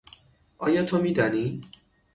آیا تو میدانی؟